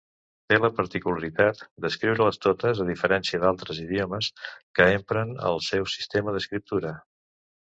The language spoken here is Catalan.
Té la particularitat d'escriure-les totes, a diferència d'altres idiomes que empren el seu sistema d'escriptura.